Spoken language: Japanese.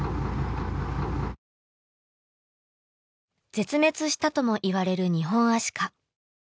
絶滅したともいわれるニホンアシカ。